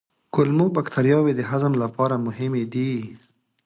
کولمو بکتریاوې د هضم لپاره مهمې دي.